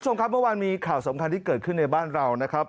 คุณผู้ชมครับเมื่อวานมีข่าวสำคัญที่เกิดขึ้นในบ้านเรานะครับ